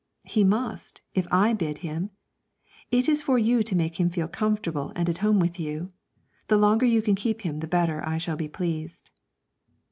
'He must, if I bid him; it is for you to make him feel comfortable and at home with you; the longer you can keep him the better I shall be pleased.'